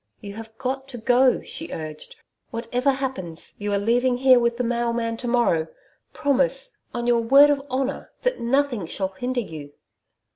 'You have GOT to go,' she urged. 'WHATEVER happens, you are leaving here with the mailman to morrow.... Promise on your word of honour that NOTHING shall hinder you.'